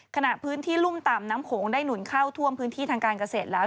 ขณะพื้นที่รุ่มต่ำน้ำโขงได้หนุนเข้าท่วมพื้นที่ทางการเกษตรแล้ว